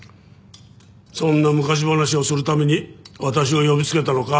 そんな昔話をするために私を呼びつけたのか？